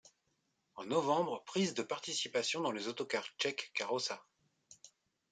En novembre, prise de participation dans les autocars tchèques Karosa.